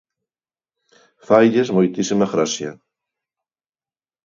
Failles moitísima graza.